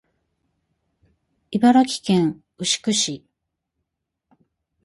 茨城県牛久市